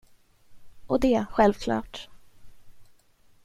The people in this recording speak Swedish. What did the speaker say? Och det, självklart.